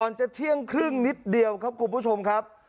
จะเที่ยงครึ่งนิดเดียวครับคุณผู้ชมครับ